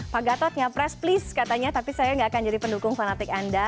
pak gatotnya press please katanya tapi saya gak akan jadi pendukung fanatik anda